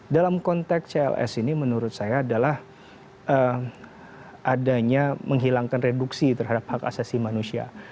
dalam konteks cls ini menurut saya adalah adanya menghilangkan reduksi terhadap hak asasi manusia